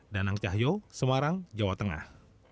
danang cahyo semarang jawa tengah